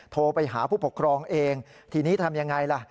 โทรไปหาผู้ปกครองเองทีนี้ทำยังไงล่ะ